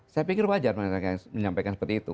saya pikir wajar menyampaikan seperti itu